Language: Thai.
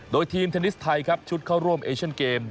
โดยทีมเทนนิสไทยครับชุดเข้าร่วมเอเชียนเกม